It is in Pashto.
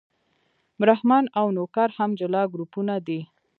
برهمن او نوکر هم جلا ګروپونه دي.